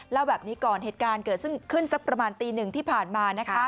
เล่าแบบนี้ก่อนเหตุการณ์เกิดขึ้นสักประมาณตีหนึ่งที่ผ่านมานะคะ